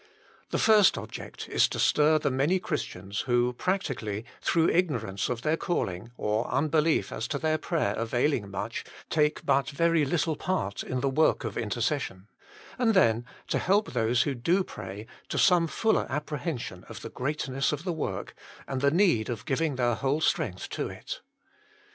The first object is to stir the many Christians who practically, through ignorance of their calling, or unbelief as to their prayer availing much, take but very little part in the work of intercession ; and then to help those who do pray to some fuller apprehension of the greatness of the work, and the need of giving their whole strength to it.